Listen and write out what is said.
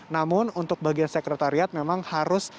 namun untuk bagian sekretariat memang harus